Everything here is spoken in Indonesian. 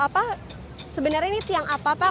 pak ini sebenarnya ini tiang apa pak